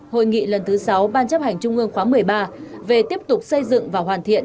hội nghị lần thứ sáu ban chấp hành trung ương khóa một mươi ba về tiếp tục xây dựng và hoàn thiện